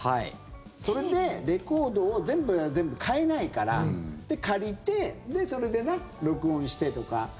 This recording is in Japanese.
それで、レコードを全部は全部買えないからで、借りてそれで録音してとか。